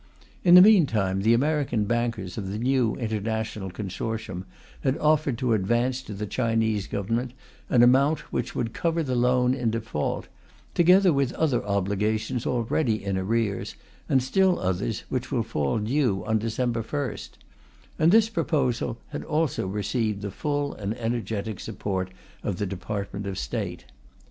In the meantime, the American bankers of the new international consortium had offered to advance to the Chinese Government an amount which would cover the loan in default, together with other obligations already in arrears, and still others which will fall due on December 1st; and this proposal had also received the full and energetic support of the Department of State.